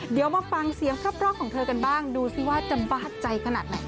เดี๋ยวมาฟังเสียงเพราะของเธอกันบ้างดูสิว่าจะบาดใจขนาดไหน